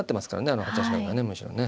あの８八角がむしろね。